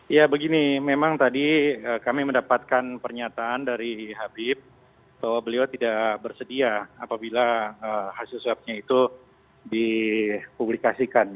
ya begini memang tadi kami mendapatkan pernyataan dari habib bahwa beliau tidak bersedia apabila hasil swabnya itu dipublikasikan